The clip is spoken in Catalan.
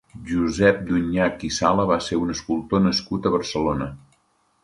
Josep Dunyach i Sala va ser un escultor nascut a Barcelona.